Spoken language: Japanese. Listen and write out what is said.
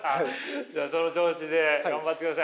じゃあその調子で頑張ってください。